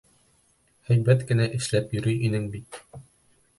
Һәйбәт кенә эшләп йөрөй инең бит.